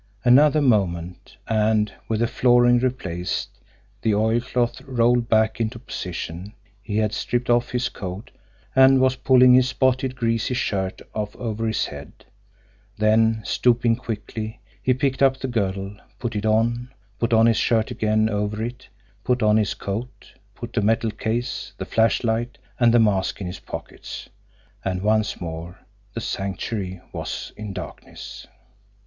Another moment, and, with the flooring replaced, the oilcloth rolled back into position, he had stripped off his coat and was pulling his spotted, greasy shirt off over his head; then, stooping quickly, he picked up the girdle, put it on, put on his shirt again over it, put on his coat, put the metal case, the flashlight, and the mask in his pockets and once more the Sanctuary was in darkness.